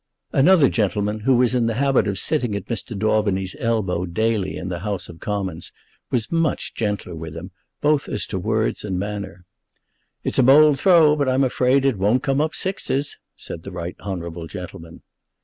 Another gentleman who was in the habit of sitting at Mr. Daubeny's elbow daily in the House of Commons was much gentler with him, both as to words and manner. "It's a bold throw, but I'm afraid it won't come up sixes," said the right honourable gentleman.